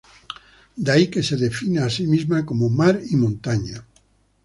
De ahí que se defina a sí misma como "Mar y montaña".